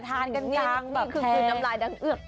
ทานกินมีน้ำลายเกล้งเอือก